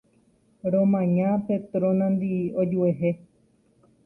Romaña Petrona-ndi ojuehe.